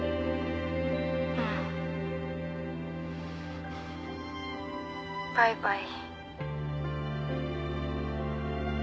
うん。バイバイ。